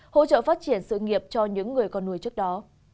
hỗ trợ phát triển sự nghiệp cho những người con nuôi trước đó